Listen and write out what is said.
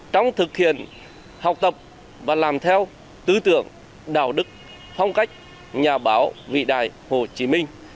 trong thực hiện học tập và làm theo tư tưởng đạo đức phong cách nhà báo vị đại hồ chí minh